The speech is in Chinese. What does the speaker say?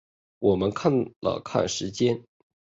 我们看了看时间